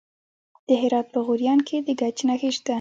د هرات په غوریان کې د ګچ نښې شته.